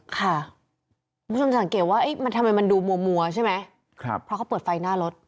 ค่ะคุณสังเกตว่าทำไมมันดูมัวใช่ไหมครับเพราะเขาเปิดไฟหน้ารถ